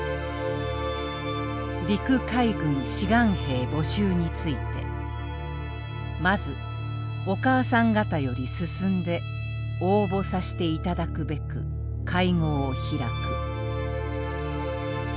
「陸海軍志願兵募集についてまずお母さん方より進んで応募さしていただくべく会合を開く」。